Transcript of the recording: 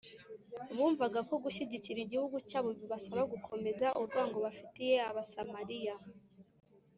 . Bumvaga ko gushyigikira igihugu cyabo bibasaba gukomeza urwango bafitiye Abasamariya